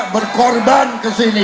berkorban ke sini